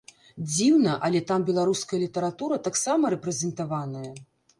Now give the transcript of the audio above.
Дзіўна, але там беларуская літаратура таксама рэпрэзентаваная.